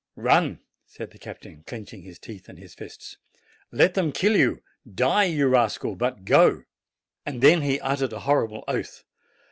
run!" said the captain, clenching his teeth and his fists; "let them kill you; die, you rascal, but go!" Then he uttered a horrible oath.